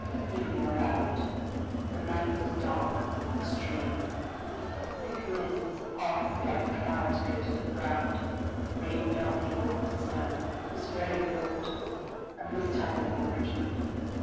Evening arrived. The night was dark in the extreme. Thick mists passed like clouds close to the ground. Rain fell mingled with snow, it was very cold. A mist hung over Richmond.